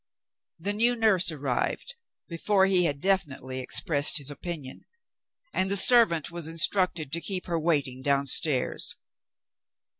The new nurse arrived, before he had definitely expressed his opinion; and the servant was instructed to keep her waiting downstairs.